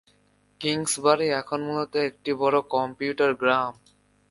Kingsbury এখন মূলত একটি বড় কমিউটার গ্রাম।